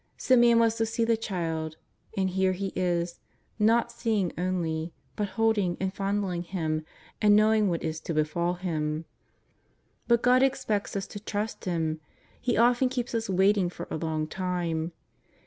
Simeon was to see the Child, and here he is, not seeing only, but holding and fondling Him, and knowing what is to befall Him. But God expects us to trust Him ; He often keeps us waiting for a long time.